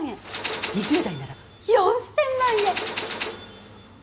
２０代なら４，０００万円。